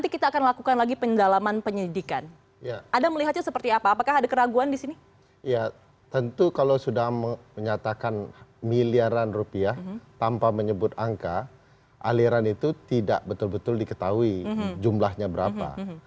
kalau kita sebut angka aliran itu tidak betul betul diketahui jumlahnya berapa